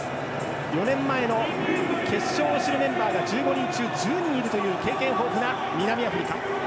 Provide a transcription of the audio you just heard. ４年前の決勝を知るメンバーが１５人中、１０人いるという経験豊富な南アフリカ。